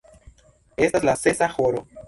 Estas la sesa horo.